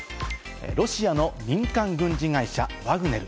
ロシアの民間軍事会社ワグネル。